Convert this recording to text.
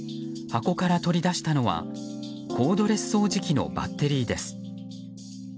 箱から取り出したのはコードレス掃除機のバッテリーです。